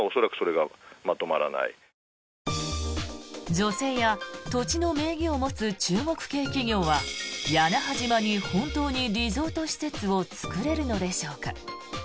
女性や土地の名義を持つ中国系企業は屋那覇島に本当にリゾート施設を作れるのでしょうか。